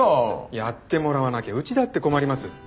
やってもらわなきゃうちだって困ります。